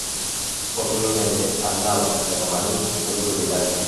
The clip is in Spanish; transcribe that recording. Posteriormente Arnau de Romaní fue su propietario.